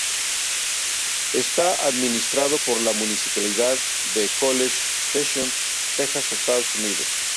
Está administrado por la municipalidad de College Station, Texas, Estados Unidos.